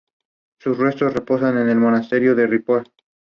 Durante los meses de invierno, los jesuitas se quedaban en su residencia de Castro.